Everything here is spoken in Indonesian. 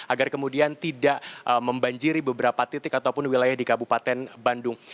agar kemudian tidak membanjiri beberapa titik ataupun wilayah di kabupaten bandung